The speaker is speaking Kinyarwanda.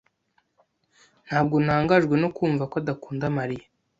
Ntabwo ntangajwe no kumva ko adakunda Mariya.